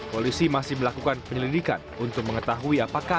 polisi masih melakukan penyelidikan untuk mengetahui apakah